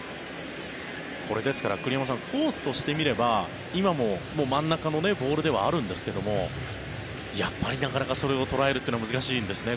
これ、ですから栗山さんコースとしてみれば今も真ん中のボールではあるんですがやっぱりなかなかそれを捉えるというのは難しいんですね。